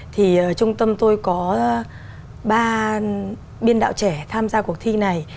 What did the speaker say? thì trung tâm tôi có ba biên đạo trẻ tham gia cuộc thi này